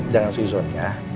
jangan susun ya